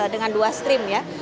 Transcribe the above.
dengan dua stream ya